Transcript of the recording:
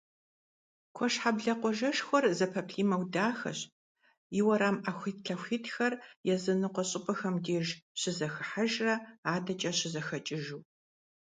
Куэшхьэблэ къуажэшхуэр зэпэплIимэу дахэщ, и уэрам Iэхуитлъэхуитхэр языныкъуэ щIыпIэхэм деж щызэхыхьэжрэ адэкIэ щызэхэкIыжу.